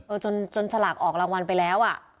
จนฉลากออกรางวัลไปแล้วอ่ะ